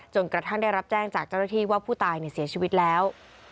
กระทั่งได้รับแจ้งจากเจ้าหน้าที่ว่าผู้ตายเสียชีวิตแล้ว